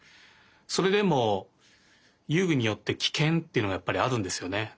それでも遊具によってキケンっていうのがやっぱりあるんですよね。